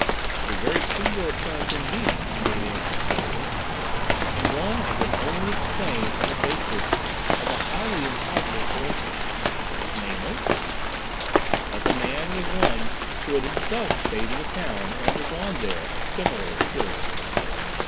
"A very singular incident indeed," he made answer slowly, "and one I can only explain on the basis of a highly improbable coincidence—" "Namely?" "That the man was one who had himself stayed in the town and undergone there a similar experience.